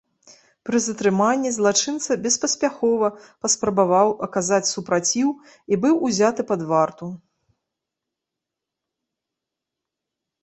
Пры затрыманні злачынца беспаспяхова паспрабаваў аказаць супраціў і быў узяты пад варту.